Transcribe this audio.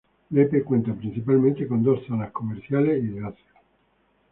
Lepe cuenta principalmente con dos zonas comerciales y de ocio.